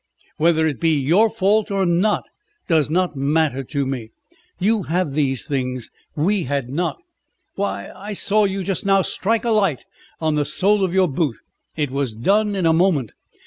"Whether it be your fault or not does not matter to me. You have these things we had not. Why, I saw you just now strike a light on the sole of your boot. It was done in a moment.